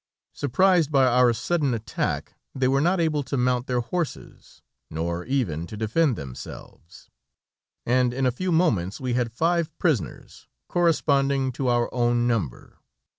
Surprised by our sudden attack, they were not able to mount their horses, nor even to defend themselves, and in a few moments we had five prisoners, corresponding to our own number.